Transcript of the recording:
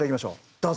どうぞ。